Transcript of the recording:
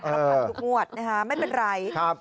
พังทุกมวดนะคะไม่เป็นไร